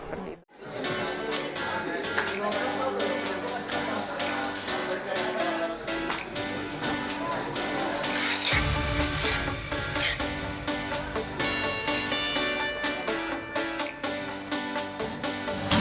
atau ada yang perlu direvisi